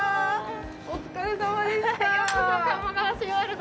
お疲れさまでした。